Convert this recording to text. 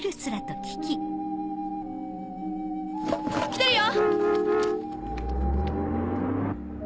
来てるよ！